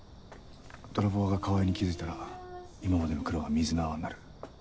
泥棒が川合に気付いたら今までの苦労が水の泡になる。